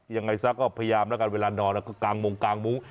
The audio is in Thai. ยังไงซักก็พยายามนะครับเวลานอนก็กางมุงกางมุง